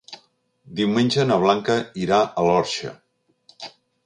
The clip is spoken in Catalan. Diumenge na Blanca irà a l'Orxa.